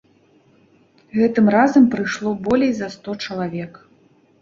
Гэтым разам прыйшло болей за сто чалавек.